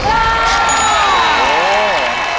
โอ้โห